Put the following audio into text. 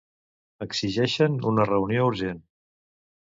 Exigeixen una reunió urgent.